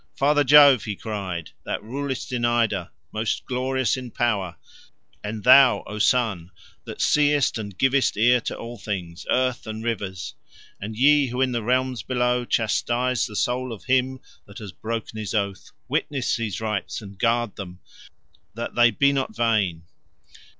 "Father Jove," he cried, "that rulest in Ida, most glorious in power, and thou oh Sun, that seest and givest ear to all things, Earth and Rivers, and ye who in the realms below chastise the soul of him that has broken his oath, witness these rites and guard them, that they be not vain.